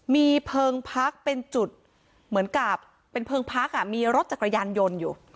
มีเพลิงพักเป็นจุดเหมือนกับเป็นเพลิงพักมีรถจักรยานยนต์อยู่